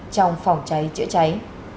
trong phòng cháy chữa cháy